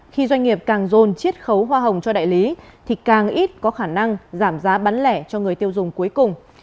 khi doanh nghiệp càng dồn chiết khấu hoa hồng cho đại lý thì càng ít có khả năng giảm giá bán lẻ cho người tiêu dùng cuối cùng